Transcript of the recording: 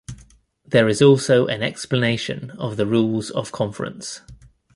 There is also an explanation of the rules of conference.